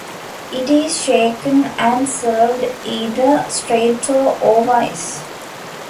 It is shaken and served either straight or over ice.